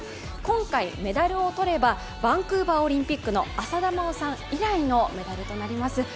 今回、メダルを取ればバンクーバーオリンピックの浅田真央さん以来のメダルとなります。